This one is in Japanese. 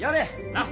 なっ。